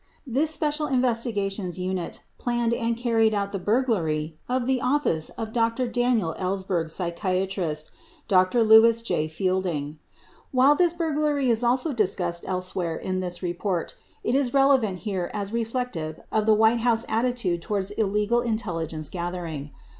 68 This special investigations unit planned and carried out the bur glary of the office of Dr. Daniel Ellsberg's psychiatrist, Dr. Lewis J. Fielding. 69 While this burglary is also discussed elsewhere in this report, 70 it is relevant here as reflective of the White House atti tude toward illegal intelligence gathering.